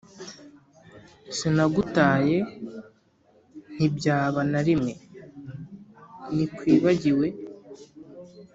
sinagutaye ntibyaba nta na rimwe nikwibagiwe